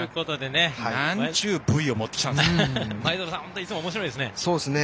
前園さんいつもおもしろいですね。